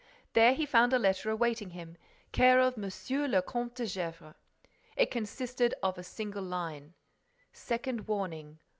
There he found a letter awaiting him "care of M. le Comte de Gesvres." It consisted of a single line: "Second warning.